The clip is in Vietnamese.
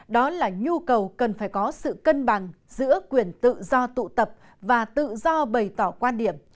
đó là nhu cầu cần phải có sự cân bằng giữa quyền tự do tụ tập và tự do bày tỏ quan điểm